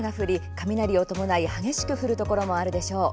雷を伴い激しく降るところもあるでしょう。